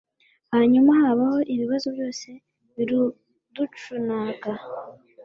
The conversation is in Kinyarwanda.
hanyuma habaho ibibazo byose biruducnaga